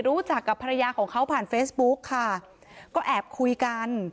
รู้จักกับภรรยาของเขาผ่านเฟซบุ๊กค่ะก็แอบคุยกัน